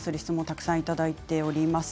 たくさんいただいております。